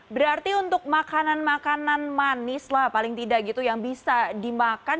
berarti untuk makanan makanan manis lah paling tidak gitu yang bisa dimakan